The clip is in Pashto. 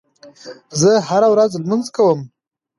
زه هره ورځ لمونځ کوم.